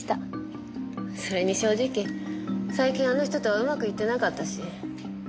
それに正直最近あの人とはうまくいってなかったし。